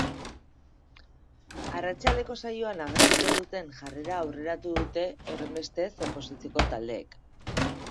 Arratsaldeko saioan agertuko duten jarrera aurreratu dute, horrenbestez, oposizioko taldeek.